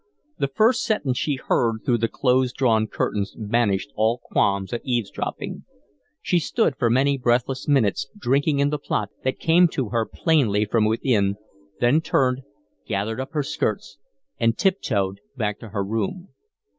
The first sentence she heard through the close drawn curtains banished all qualms at eavesdropping. She stood for many breathless minutes drinking in the plot that came to her plainly from within, then turned, gathered up her skirts, and tiptoed back to her room.